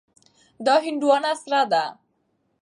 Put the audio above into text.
دا هندوانه سره ده.